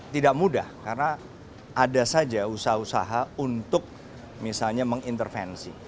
tidak mudah karena ada saja usaha usaha untuk misalnya mengintervensi